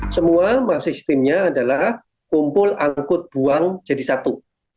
semua sistemnya adalah kumpul angkut buang jadi satu